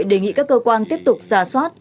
đề nghị các cơ quan tiếp tục giả soát